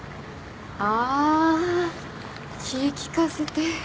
あ気ぃ利かせて。